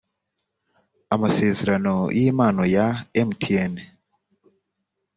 amasezerano y impano ya mtn